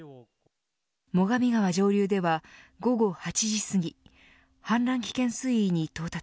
最上川上流では、午後８時すぎ氾濫危険水位に到達。